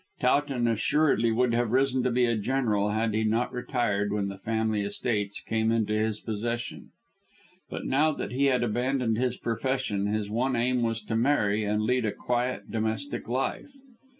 Towton assuredly would have risen to be a general had he not retired when the family estates came into his possession. But now that he had abandoned his profession his one aim was to marry and lead a quiet domestic life.